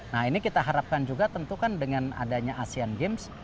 nah ini kita harapkan juga tentu kan dengan adanya asean games